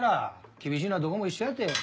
厳しいのはどこも一緒やて。